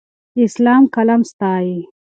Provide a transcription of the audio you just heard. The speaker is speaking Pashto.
اسلام قلم ستایي.